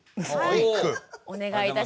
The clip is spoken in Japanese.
お願いいたします。